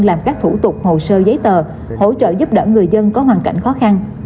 làm các thủ tục hồ sơ giấy tờ hỗ trợ giúp đỡ người dân có hoàn cảnh khó khăn